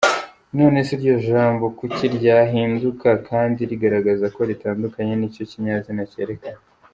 None se iryo jambo kuki ryahinduka kandi rigaragaza ko ritandukanye n’icyo kinyazina cyerekana?